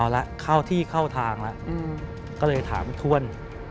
เอาละเข้าที่เข้าทางละก็เลยถามถ้วน